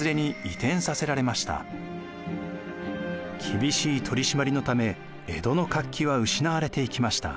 厳しい取り締まりのため江戸の活気は失われていきました。